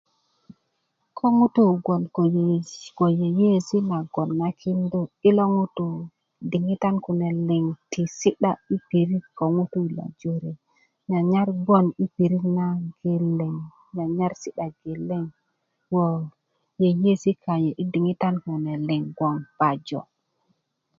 ko ŋutu bgwoŋ ko yeye yeyiyesi nagon na kindu i lo ŋutu diŋitan kune liŋ ti si'da i piri ko ŋutu 'i pirit nageleŋ nyanyar bgwoŋ i pirit na geleŋ nyarnyar si'da geleŋ woo' yeyies kanyit i diŋitan kune liŋ bgwoŋ pajo